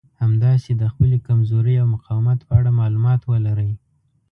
همداسې د خپلې کمزورۍ او مقاومت په اړه مالومات ولرئ.